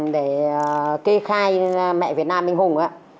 để kê khai mẹ việt nam anh hùng á